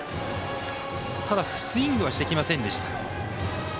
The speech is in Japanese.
ただ、スイングはしてきませんでした。